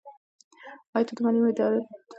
آیا ته د مالي مدیریت وړتیا لرې؟